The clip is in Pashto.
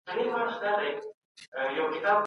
کورنۍ له پیل راهیسې هڅه کړې ده.